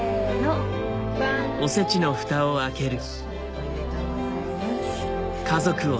おめでとうございます。